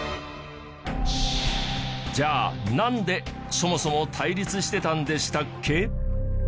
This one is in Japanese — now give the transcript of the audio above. じゃあなんでそもそも対立してたんでしたっけ？